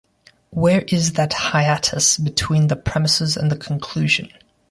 Where is that hiatus between the premises and the conclusion?